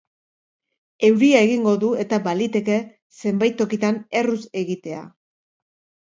Euria egingo du eta baliteke zenbait tokitan erruz egitea.